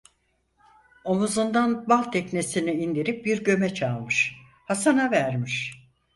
Omuzundan bal teknesini indirip bir gömeç almış, Hasan'a vermiş.